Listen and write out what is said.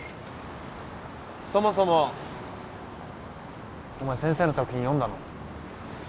そもそもお前先生の作品読んだの？